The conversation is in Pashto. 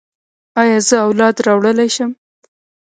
ایا زه اولاد راوړلی شم؟